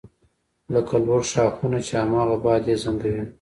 لکه لوړ ښاخونه چې هماغه باد یې زنګوي